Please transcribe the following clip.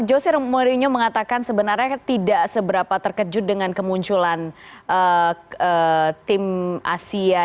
jocer mourinho mengatakan sebenarnya tidak seberapa terkejut dengan kemunculan tim asia